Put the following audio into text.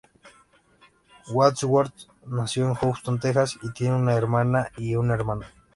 Wadsworth nació en Houston, Texas y tiene una hermana y un hermano.